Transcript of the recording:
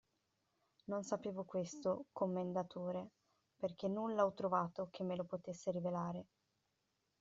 Non sapevo questo, commendatore, perché nulla ho trovato che me lo potesse rivelare.